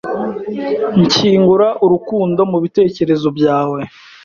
Nshyingura urukundo mu bitekerezo byawe…